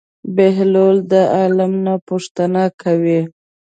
بهلول د عالم نه پوښتنه کوي.